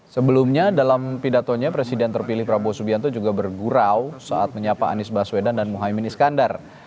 sebelumnya dalam pidatonya presiden terpilih prabowo subianto juga bergurau saat menyapa anies baswedan dan muhaymin iskandar